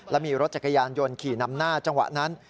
และมีรถจักรยานยนต์ขี่นำหน้าจังหวะนั้น